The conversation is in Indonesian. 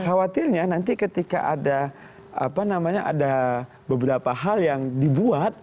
khawatirnya nanti ketika ada apa namanya ada beberapa hal yang dibuat